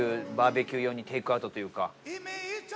バーベキュー用にテークアウトというか。